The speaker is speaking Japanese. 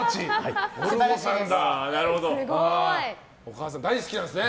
お母さん大好きなんですね。